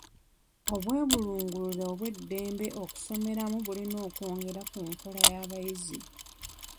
Obwebulungulule obw'eddembe okusomeramu bulina okwongera ku nkola y'abayizi.